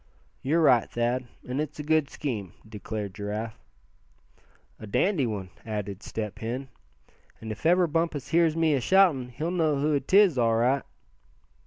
"You're right, Thad, and it's a good scheme," declared Giraffe. "A dandy one," added Step Hen. "And if ever Bumpus hears me ashoutin' he'll know who 'tis, all right."